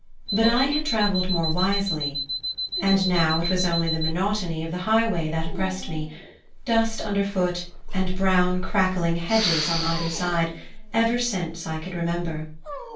But I had travelled more wisely, and now it was only the monotony of the highway that oppressed me dust under foot and brown crackling hedges on either side, ever since I could remember.